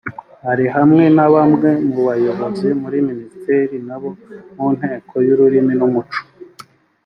Ari hamwe na bamwe mu bayobozi muri Minisiteri n’abo mu Nteko y’Ururimi n’Umuco